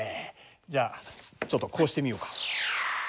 じゃあちょっとこうしてみようか。